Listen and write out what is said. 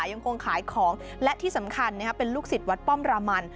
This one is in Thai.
ยังคงขายของและที่สำคัญเป็นลูกศิษย์วัดป้อมรามัน